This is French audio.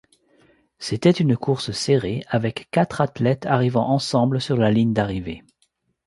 C'était une course serrée avec quatre athlètes arrivant ensemble sur la ligne d'arrivée.